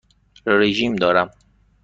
رژیم دارم.